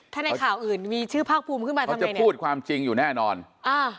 ถ้าในข่าวอื่นมีชื่อภาคภูมิขึ้นมาเขาจะพูดความจริงอยู่แน่นอนอ่า